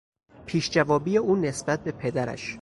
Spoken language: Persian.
پیشجوابی او نسبت به پدرش